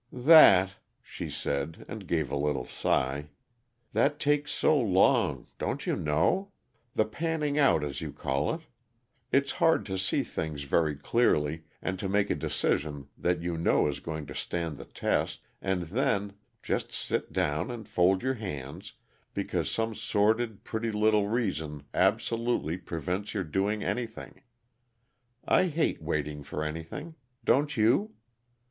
"That," she said, and gave a little sigh "that takes so long don't you know? The panning out, as you call it. It's hard to see things very clearly, and to make a decision that you know is going to stand the test, and then just sit down and fold your hands, because some sordid, petty little reason absolutely prevents your doing anything. I hate waiting for anything. Don't you?